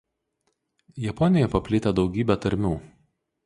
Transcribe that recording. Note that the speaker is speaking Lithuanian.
Japonijoje paplitę daugybė tarmių.